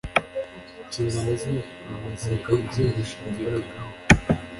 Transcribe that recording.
Inshingano ze bamaze kubyumvikanaho